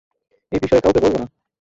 এ বিষয়ে কাউকে বলবো না।